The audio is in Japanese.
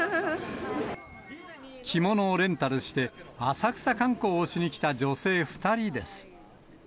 着物をレンタルして、浅草観光をしにきた女性２人です。